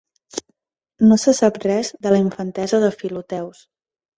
No se sap res de la infantesa de Filoteus.